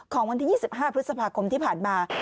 วันที่๒๕พฤษภาคมที่ผ่านมา